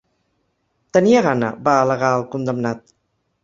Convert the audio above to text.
Tenia gana, va al·legar el condemnat.